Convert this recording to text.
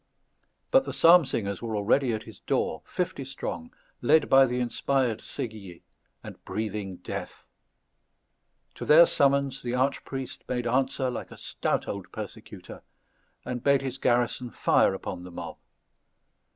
But the psalm singers were already at his door, fifty strong, led by the inspired Séguier, and breathing death. To their summons, the archpriest made answer like a stout old persecutor, and bade his garrison fire upon the mob.